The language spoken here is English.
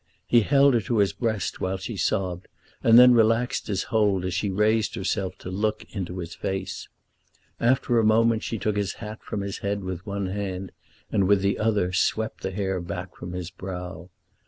He held her to his breast while she sobbed, and then relaxed his hold as she raised herself to look into his face. After a moment she took his hat from his head with one hand, and with the other swept the hair back from his brow.